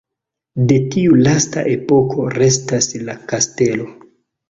De tiu lasta epoko restas la kastelo.